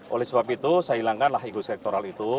oleh sebab itu saya hilangkanlah ekosektoral itu